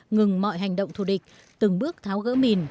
ngừng mọi hành động thù địch từng bước tháo gỡ mìn